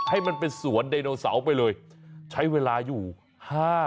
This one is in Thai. ให้มันเป็นสวนไดโนเสาร์ไปเลยใช้เวลาอยู่ห้า